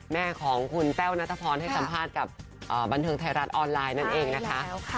แม่ของคุณแต้วนัทพรให้สัมภาษณ์กับบันเทิงไทยรัฐออนไลน์นั่นเองนะคะ